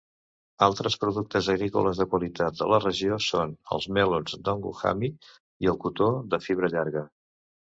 Altres productes agrícoles de qualitat de la regió són els melons Donghu Hami i el cotó de fibra llarga.